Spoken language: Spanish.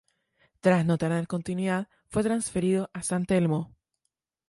Tras no tener continuidad fue transferido a San Telmo.